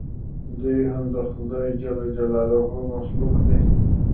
دوى هم د خداى مخلوق دي.